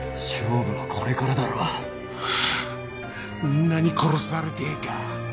んなに殺されてえか。